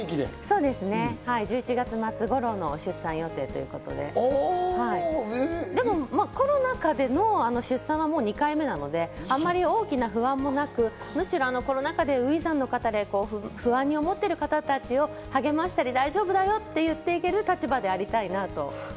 １１月末頃の出産予定ということで、コロナ禍での出産は、もう２回目なのであまり大きな不安もなく、むしろコロナ禍で初産の方で不安に思ってる方達を励ましたり大丈夫だよって言っていける立場でありたいなと。